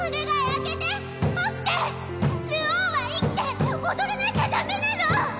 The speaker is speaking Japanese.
起流鶯は生きて踊らなきゃダメなの！